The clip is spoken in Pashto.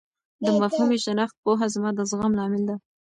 د مفهومي شناخت پوهه زما د زغم لامل ده.